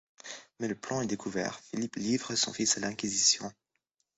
Mais le plan est découvert, Philippe livre son fils à l'Inquisition.